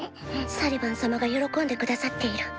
サリバン様が喜んで下さっている。